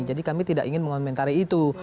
jadi kami tidak ingin mengomentari itu